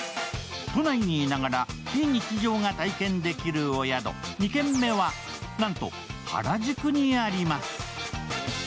都内にいながら非日常が体験できるお宿２軒目はなんと原宿にあります。